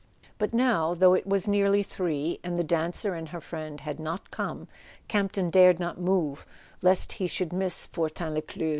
But now, though it was nearly three, and the dancer and her friend had not come, Campton dared not move, lest he should miss Fortin Lescluze.